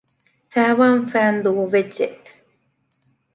ފައިވާން ފައިން ދޫވެއްޖެ